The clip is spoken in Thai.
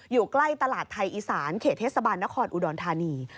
อยู่ใกล้ตลาดไทยอีสานเขตเทศบาลนครอุดรธานี